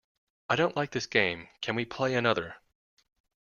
I don't like this game, can we play another?